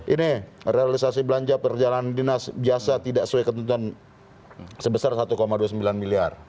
ini realisasi belanja perjalanan dinas biasa tidak sesuai ketentuan sebesar satu dua puluh sembilan miliar